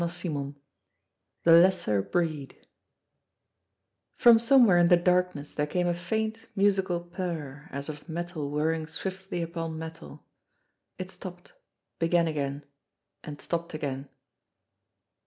XIII THE LESSER BREED FROM somewhere in the darkness there came a faint musical purr as of metal whirring swiftly upon metal. It stopped; began again; and stopped again.